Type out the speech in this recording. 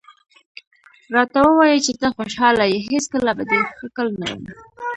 راته ووایه چې ته خوشحاله یې، هېڅکله به دې ښکل نه کړم.